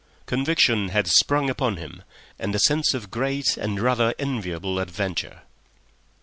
Conviction had sprung upon him, and a sense of great and rather enviable adventure.